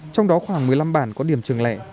trong đó khoảng một mươi năm bản có điểm trường lẻ